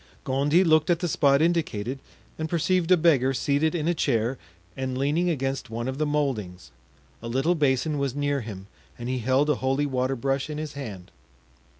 Gondy looked at the spot indicated and perceived a beggar seated in a chair and leaning against one of the moldings; a little basin was near him and he held a holy water brush in his hand.